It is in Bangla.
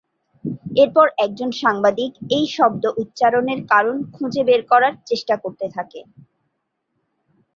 এরপর একজন সাংবাদিক এই শব্দ উচ্চারণের কারণ খুঁজে বের করার চেষ্টা করতে থাকে।